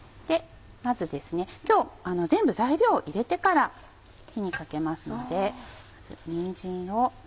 まず今日全部材料を入れてから火にかけますのでまずにんじんを。